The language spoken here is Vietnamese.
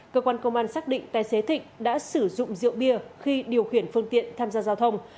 cơ quan công an xác định tài xế thịnh đã sử dụng rượu bia khi điều khiển phương tiện tham gia giao thông